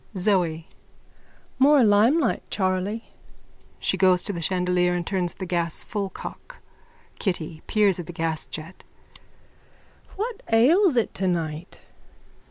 ZOE: More limelight, Charley. (She goes to the chandelier and turns the gas full cock.) KITTY: (Peers at the gasjet.) What ails it tonight?